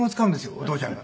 お父ちゃんが。